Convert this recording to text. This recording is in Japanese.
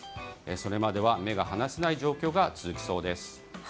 それまでは目が離せない状況が続きそうです。